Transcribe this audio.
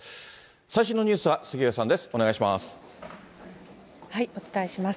最新のニュースは杉上さんです。